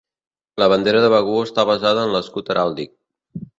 La bandera de Begur està basada en l'escut heràldic.